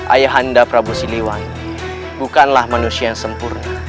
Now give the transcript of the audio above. ayahanda prabu siliwan bukanlah manusia yang sempurna